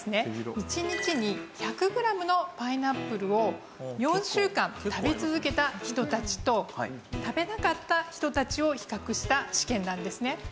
１日に１００グラムのパイナップルを４週間食べ続けた人たちと食べなかった人たちを比較した試験なんですね。